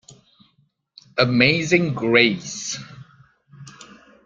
Amazing Grace.